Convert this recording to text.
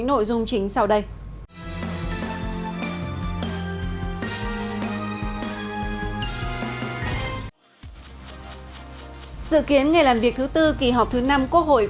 quốc hội tiếp tục ngày làm việc thứ tư của kỳ họp thứ năm